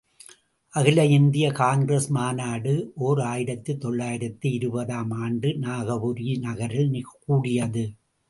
அகில இந்திய காங்கிரஸ் மாநாடு ஓர் ஆயிரத்து தொள்ளாயிரத்து இருபது ஆம் ஆண்டு நாகபுரி நகரில் கூடியது.